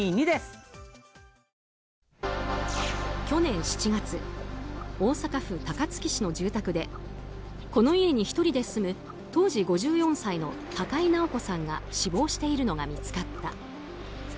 去年７月大阪府高槻市の住宅でこの家に１人で住む当時５４歳の高井直子さんが死亡しているのが見つかった。